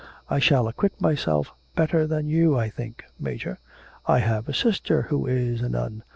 I shall acquit myself better than you, I think, Major; I have a sister who is a nun.